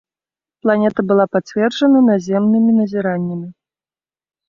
Планета была пацверджана наземнымі назіраннямі.